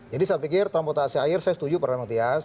jadi saya pikir terampak taksi air saya setuju pak ramadhan tiaz